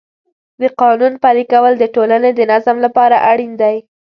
د قانون پلي کول د ټولنې د نظم لپاره اړین دی.